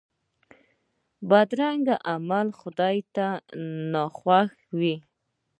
بدرنګه عمل خدای ته ناخوښه وي